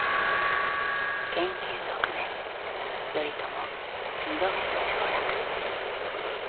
建久６年頼朝２度目の上洛。